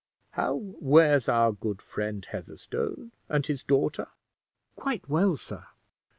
How wears our good friend Heatherstone and his daughter?" "Quite well, sir."